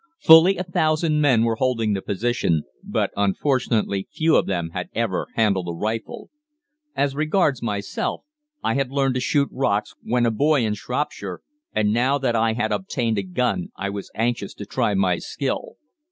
"Fully a thousand men were holding the position, but unfortunately few of them had ever handled a rifle. As regards myself, I had learned to shoot rooks when a boy in Shropshire, and now that I had obtained a gun I was anxious to try my skill.